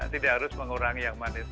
tidak harus mengurangi yang manis